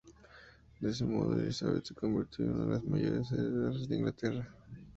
De este modo, Elizabeth se convirtió en una de las mayores herederas de Inglaterra.